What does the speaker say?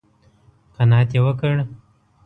_قناعت يې وکړ؟